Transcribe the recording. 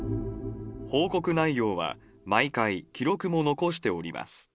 報告内容は、毎回記録も残しております。